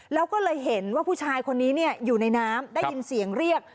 แล้วก็เลยเห็นว่าผู้ชายคนนี้อยู่ในน้ำได้ยินเสียงเรียก